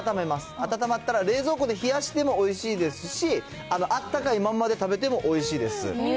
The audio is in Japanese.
温まったら冷蔵庫で冷やしてもおいしいですし、あったかいまんまで食べてもおいしいです。